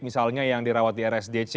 misalnya yang dirawat di rsdc